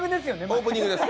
オープニングです。